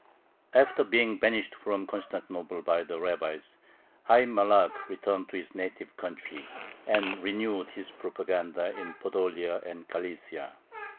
After being banished from Constantinople by the rabbis, Hayyim Malakh returned to his native country, and renewed his propaganda in Podolia and Galicia.